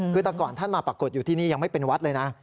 คือแต่ก่อนท่านมาปรากฏอยู่ที่นี่ยังไม่เป็นวัดเลยนะ